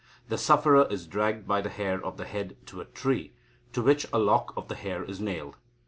The sufferer is dragged by the hair of the head to a tree, to which a lock of the hair is nailed.